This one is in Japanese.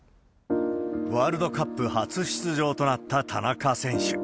ワールドカップ初出場となった田中選手。